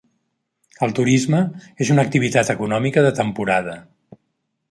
El turisme és una activitat econòmica de temporada.